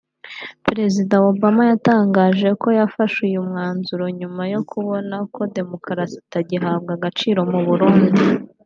President Obama yatangaje ko yafashe uyu mwanzuro nyuma yo kubona ko demokarasi itagihabwa agaciro mu Burundi